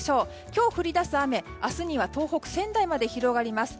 今日、降り出す雨明日には東北、仙台まで広がります。